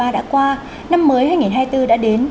đã qua năm mới hai nghìn hai mươi bốn đã đến